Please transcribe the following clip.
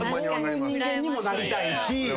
こういう人間にもなりたい。